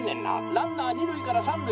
ランナー二塁から三塁」。